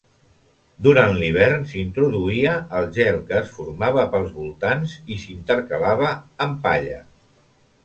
Durant l'hivern s'hi introduïa el gel que es formava pels voltants i s'intercalava amb palla.